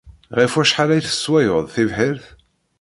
Ɣef wacḥal ay tesswayeḍ tibḥirt?